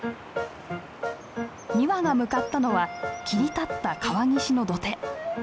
２羽が向かったのは切り立った川岸の土手。